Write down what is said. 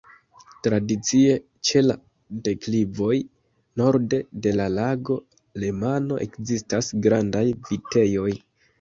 Tradicie ĉe la deklivoj norde de la Lago Lemano ekzistas grandaj vitejoj.